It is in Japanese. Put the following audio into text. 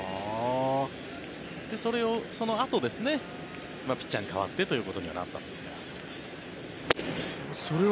そのあと、ピッチャーに変わってということにはなったんですが。